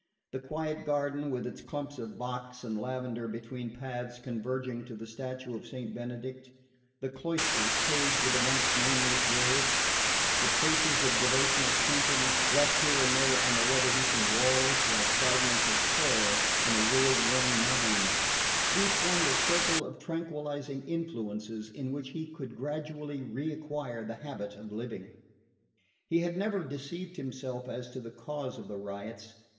The quiet garden, with its clumps of box and lavender between paths converging to the statue of Saint Benedict; the cloisters paved with the monks' nameless graves; the traces of devotional painting left here and there on the weather beaten walls, like fragments of prayer in a world worn mind: these formed a circle of tranquillising influences in which he could gradually reacquire the habit of living. He had never deceived himself as to the cause of the riots.